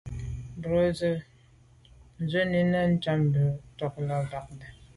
Bə̌k rə̌ zə̂nù nə́ jú’ mbā bɑ̀ cú cɛ̌d ntɔ́k lá bɑdə̂.